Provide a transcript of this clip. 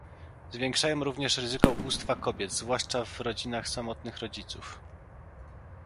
Zwiększają również ryzyko ubóstwa kobiet, zwłaszcza w rodzinach samotnych rodziców